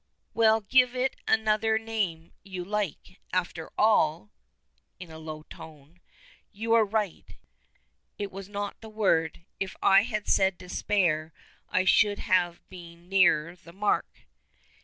"Well, give it any other name you like. And after all," in a low tone, "you are right. It was not the word. If I had said despair I should have been nearer the mark."